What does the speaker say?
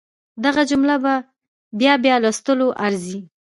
دغه جمله په بيا بيا لوستلو ارزي.